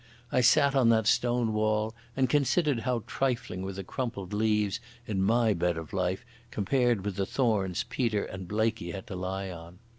I sat on that stone wall and considered how trifling were the crumpled leaves in my bed of life compared with the thorns Peter and Blaikie had to lie on.